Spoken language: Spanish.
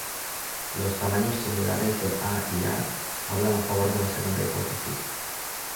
Los tamaños similares de A y A hablan a favor de la segunda hipótesis.